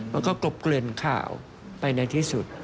แล้วก็กลบเกลือนข่าวไปในที่สุด